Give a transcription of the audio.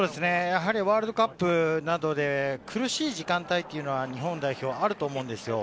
ワールドカップなどで苦しい時間帯は日本代表あると思うんですよ。